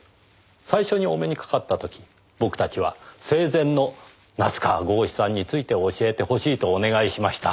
最初にお目にかかった時僕たちは生前の夏河郷士さんについて教えてほしいとお願いしました。